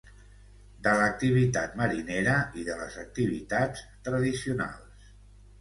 de l'activitat marinera i de les activitats tradicionals